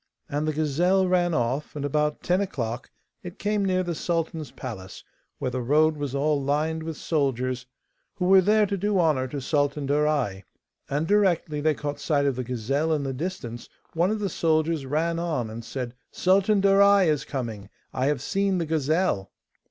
And the gazelle ran off, and about ten o'clock it came near the sultan's palace, where the road was all lined with soldiers who were there to do honour to Sultan Darai. And directly they caught sight of the gazelle in the distance one of the soldiers ran on and said, 'Sultan Darai is coming: I have seen the gazelle.